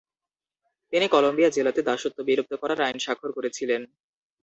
তিনি কলম্বিয়া জেলাতে দাসত্ব বিলুপ্ত করার আইন স্বাক্ষর করেছিলেন।